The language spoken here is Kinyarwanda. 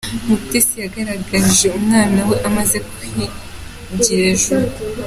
Mutesi yagaragaje umwana we amaze kwgira ejuru